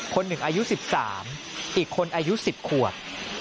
คนหนึ่งอายุ๑๓อีกคนอายุ๑๐ขวบ